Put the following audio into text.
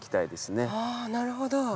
あぁなるほど。